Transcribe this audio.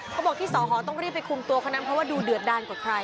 เขาบอกที่เสาหอต้องเป็นด้วยไปคุมตัวเพราะดูเดือดดานกว่าใคร